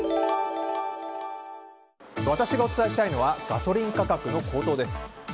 私がお伝えしたいのはガソリン価格の高騰です。